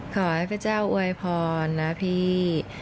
ขอให้พระเจ้าอวยพรนะพี่